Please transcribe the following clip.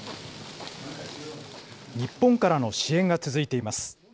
日本からの支援が続いています。